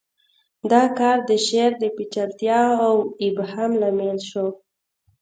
دا کار د شعر د پیچلتیا او ابهام لامل شو